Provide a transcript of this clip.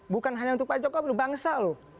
bukan hanya untuk pak jokowi bangsa loh